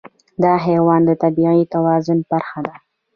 دا حیوان د طبیعي توازن برخه ده.